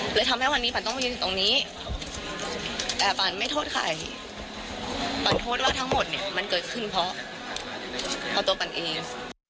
เลยทำให้วันนี้ปันต้องมายืนอยู่ตรงนี้แต่ปันไม่โทษใครปันโทษว่าทั้งหมดเนี่ยมันเกิดขึ้นเพราะตัวปันเอง